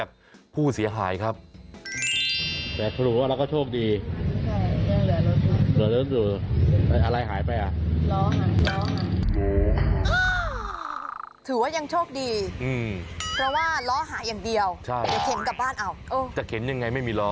เดี๋ยวเข็นกลับบ้านเอาเออจะเข็นอย่างไรไม่มีล้อ